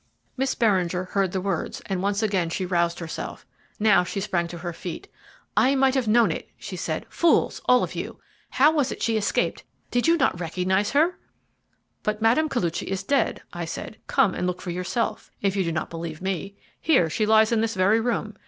Miss Beringer heard the words, and once again she roused herself. Now she sprang to her feet. "I might have known it," she said. "Fools! all of you! How was it she escaped? Did not you recognize her?" "But Mme. Koluchy is dead," I said. "Come and look for yourself, if you do not believe me. Here she lies in this very room.